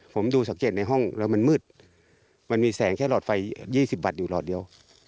ผมดูสังเกตในห้องแล้วมันมืดมันมีแสงแค่หลอดไฟ๒๐บัตรอยู่หลอดเดียว